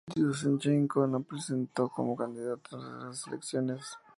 Yúshchenko no se presentó como candidato en esas elecciones.